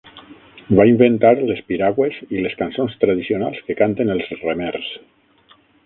Va inventar les piragües i les cançons tradicionals que canten els remers.